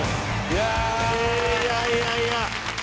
いやいやいや！